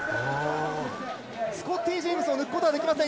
スコッティ・ジェームスを抜くことはできません。